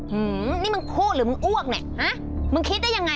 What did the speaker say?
อืมนี่มึงโคตรหรือมึงอ้วกเนี่ยฮะมึงคิดได้ยังไง